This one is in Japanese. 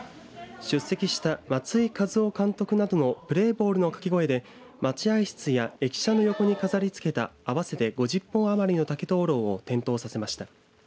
出席した松井稼頭央監督などのプレーボールの掛け声で待合室や駅舎の横に飾り付けた合わせて５０本余りの竹灯籠を点灯させました。